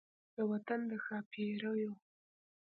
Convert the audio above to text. د وطن د ښا پیریو